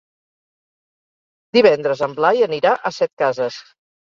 Divendres en Blai anirà a Setcases.